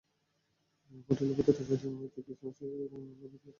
হোটেলের ভেতরটা সাজানো হয়েছে ক্রিসমাস ট্রি এবং নানা রঙের বাতি দিয়ে।